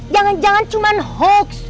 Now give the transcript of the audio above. jangan jangan cuma hoax